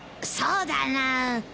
そうだな。